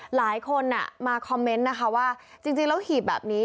หลายคนมาคอมเมนต์นะคะว่าจริงแล้วหีบแบบนี้